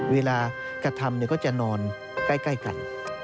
เวลากระทำก็จะนอนใกล้กัน